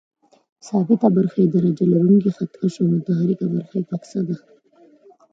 ثابته برخه یې درجه لرونکی خط کش او متحرکه برخه یې فکسه ده.